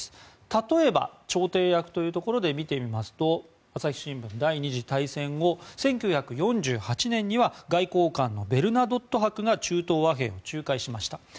例えば、調停役というところで見てみますと朝日新聞第２次大戦後、１９４８年には外交官のベルナドット伯が中東を仲介しました。